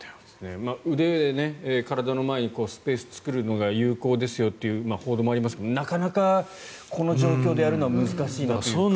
腕で体の前にスペースを作るのが有効ですよという報道もありますがなかなかこの状況でやるのは難しいなという。